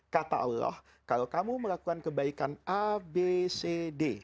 kata allah kalau kamu melakukan kebaikan a b c d